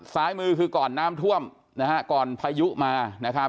ซ้ายมือคือก่อนน้ำท่วมนะฮะก่อนพายุมานะครับ